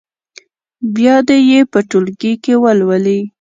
بیا دې یې په ټولګي کې ولولي.